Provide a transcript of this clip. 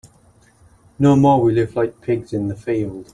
No more we live like pigs in the field.